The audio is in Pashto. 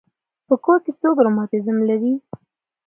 په کور کې څوک رماتیزم لري.